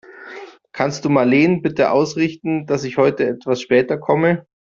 Kannst du Marleen bitte ausrichten, dass ich heute etwas später komme?